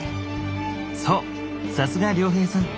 そうさすが亮平さん。